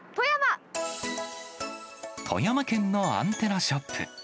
富山県のアンテナショップ。